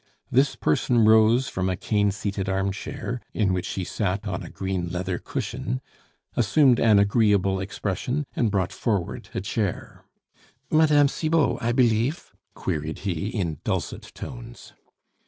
This person rose from a cane seated armchair, in which he sat on a green leather cushion, assumed an agreeable expression, and brought forward a chair. "Mme. Cibot, I believe?" queried he, in dulcet tones.